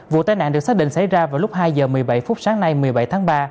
vụ tai nạn được xác định xảy ra vào lúc hai giờ một mươi bảy phút sáng nay một mươi bảy tháng ba